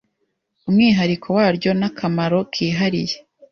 umwihariko waryo n’akamaro kihariye